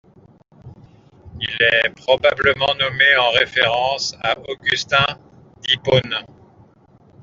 Il est probablement nommé en référence à Augustin d'Hippone.